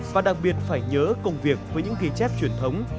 và đặc biệt phải nhớ công việc với những ghi chép truyền thống